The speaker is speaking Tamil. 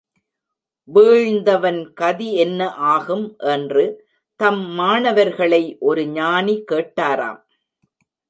வீழ்ந்தவன் கதி என்ன ஆகும் என்று தம் மாணவர்களை ஒரு ஞானி கேட்டாராம்.